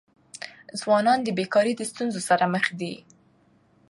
ځوانان د بېکاری د ستونزي سره مخ دي.